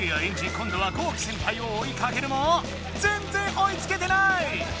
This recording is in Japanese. こんどはゴウキ先輩をおいかけるもぜんぜんおいつけてない！